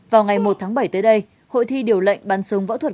vào ngày một tháng bảy tới đây hội thi điều lệnh bàn sùng võ thuật